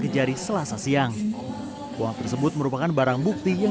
yang sudah dikirimkan ke jakarta dan bandung